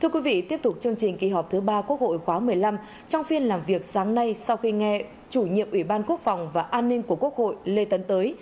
chương trình kỳ họp thứ ba quốc hội khóa một mươi năm trong phiên làm việc sáng nay sau khi nghe chủ nhiệm ủy ban quốc phòng và an ninh của quốc hội lê tấn tới